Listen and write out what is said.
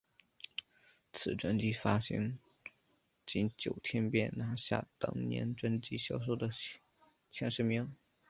此专辑发行仅九天便拿下当年专辑销售量前十名。